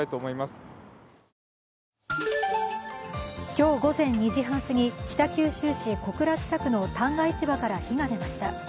今日午前２時半過ぎ、北九州市小倉北区の旦過市場から火が出ました。